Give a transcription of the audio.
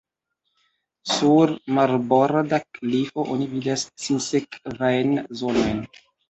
Sur marborda klifo oni vidas sinsekvajn zonojn.